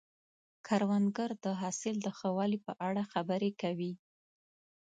کروندګر د حاصل د ښه والي په اړه خبرې کوي